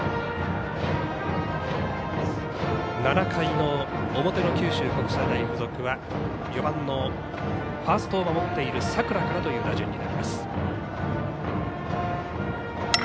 ７回の表の九州国際大付属は４番のファーストを守っている佐倉からという打順になります。